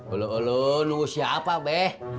ulu ulu nunggu siapa be